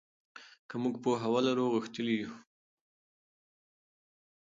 که موږ پوهه ولرو غښتلي یو.